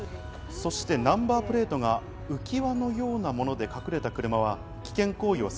そしてナンバープレートが浮き輪のようなもので隠れた車は危険行為を。